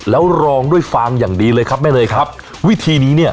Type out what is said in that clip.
แล้วรองด้วยฟางอย่างดีเลยครับแม่เนยครับวิธีนี้เนี่ย